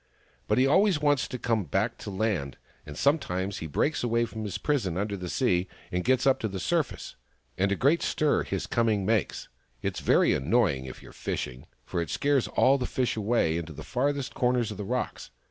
But he always wants to come back to land, and some times he breaks away from his prison under the sea and gets up to the surface — and a great stir his coming makes : it's very annoying if you're fishing, for it scares all the fish away into the farthest corners of the rocks.